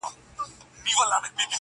د خوبونو په لیدلو نه رسیږو -